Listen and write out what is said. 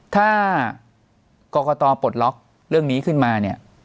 ถ้ากรกตปลดล็อกเรื่องนี้ขึ้นมาเนี่ย